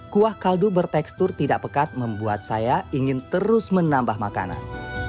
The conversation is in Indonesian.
kuah kaldu bertekstur tidak pekat membuat saya ingin terus menambah makanan